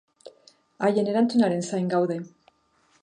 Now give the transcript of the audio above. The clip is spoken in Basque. Haien erantzunaren zain gaude.